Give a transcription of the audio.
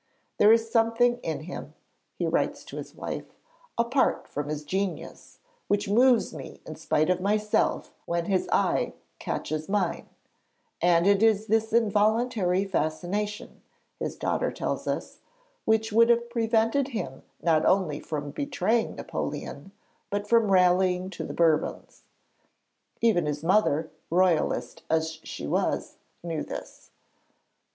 'There is something in him,' he writes to his wife, 'apart from his genius, which moves me in spite of myself when his eye catches mine,' and it is this involuntary fascination, his daughter tells us, which would have prevented him not only from betraying Napoleon, but from rallying to the Bourbons. Even his mother, Royalist as she was, knew this.